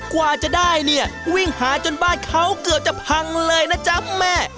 กว่าจะได้เนี่ยวิ่งหาจนบ้านเขาเกือบจะพังเลยนะจ๊ะแม่